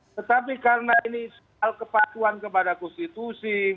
tetapi karena ini soal kepatuan kepada konstitusi